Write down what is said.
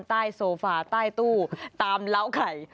โซฟาใต้ตู้ตามเล้าไข่